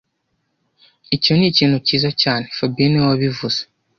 Icyo ni ikintu cyiza cyane fabien niwe wabivuze